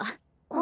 あ。